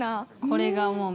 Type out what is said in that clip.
これがもう。